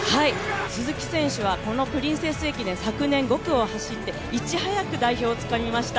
鈴木選手はこのプリンセス駅伝、昨年５区を走っていち早く代表をつかみました。